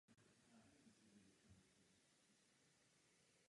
Atomy vodíku a helia pocházejí pravděpodobně ze Slunce.